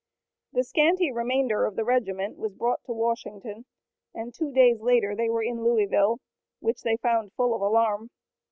The scanty remainder of the regiment was brought to Washington and two days later they were in Louisville, which they found full of alarm.